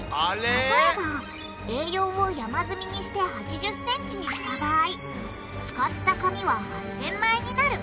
例えばＡ４を山積みにして８０ｃｍにした場合使った紙は８０００枚になる。